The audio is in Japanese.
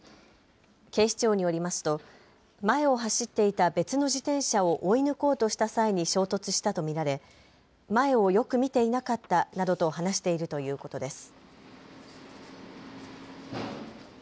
警視庁によりますと前を走っていた別の自転車を追い抜こうとした際に衝突したと見られ、前をよく見ていなかったなどと話しているということです。